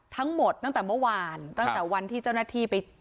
ตั้งแต่เมื่อวานตั้งแต่วันที่เจ้าหน้าที่ไป